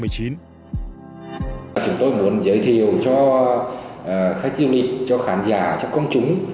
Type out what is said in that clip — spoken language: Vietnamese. chúng tôi muốn giới thiệu cho khách du lịch cho khán giả cho công chúng